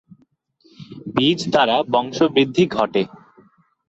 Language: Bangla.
বীজ দ্বারা বংশবৃদ্ধি ঘটে।